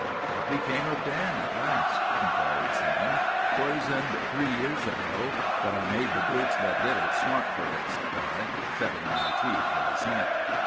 "What became of Dan at last?" inquired Sam. "Poisoned three years ago; but I made the brutes that did it smart for it!" said I, shutting my teeth with a snap.